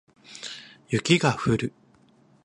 雪が降る